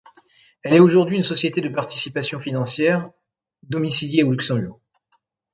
Elle est aujourd'hui une société de participation financière domiciliée au Luxembourg.